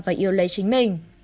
phải yêu lấy chính mình